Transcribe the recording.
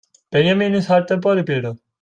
Benjamin ist halt ein Bodybuilder.